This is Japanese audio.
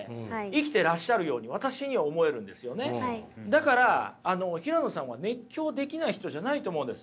だからあの平野さんは熱狂できない人じゃないと思うんです。